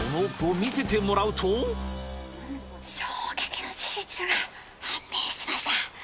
衝撃の事実が判明しました。